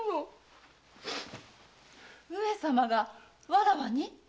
上様がわらわに？